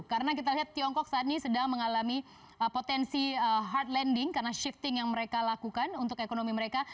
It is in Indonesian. karena kita lihat tiongkok saat ini sedang mengalami potensi hard landing karena shifting yang mereka lakukan untuk ekonomi mereka